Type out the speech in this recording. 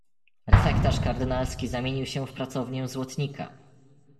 "Refektarz kardynalski zamienił się w pracownię złotnika!"